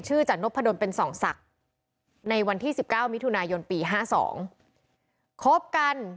ชื่อจัดนพดนเป็น๒ศักดิ์ในวันที่๑๙มิถุนายนปี๕๒คบกัน